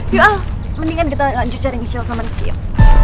yuk ah mendingan kita lanjut cari michelle sama rifki yuk